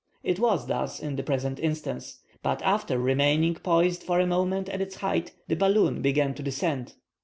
It was thus in the present instance. But after remaining poised for a moment at its height, the balloon began to descend.